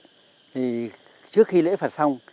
thì trước khi lễ phật xong